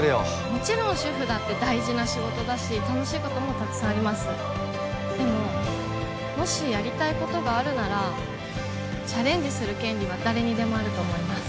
もちろん主婦だって大事な仕事だし楽しいこともたくさんありますでももしやりたいことがあるならチャレンジする権利は誰にでもあると思います